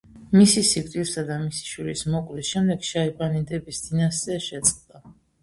მისი სიკვდილსა და მისი შვილის მოკვლის შემდეგ შაიბანიდების დინასტია შეწყდა.